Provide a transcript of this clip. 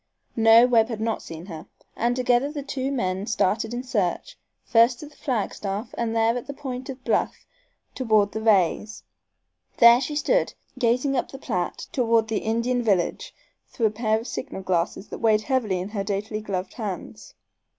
No, Webb had not seen her, and together the two started in search, first to the flagstaff, and there at the point of bluff beyond the Rays', there she stood, gazing up the Platte toward the Indian village through a pair of signal glasses that weighed heavily in her daintily gloved hands.